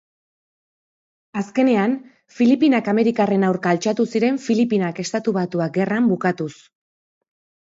Azkenean, Filipinak amerikarren aurka altxatu ziren Filipinak-Estatu Batuak Gerran bukatuz.